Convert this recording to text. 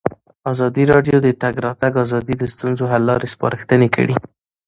ازادي راډیو د د تګ راتګ ازادي د ستونزو حل لارې سپارښتنې کړي.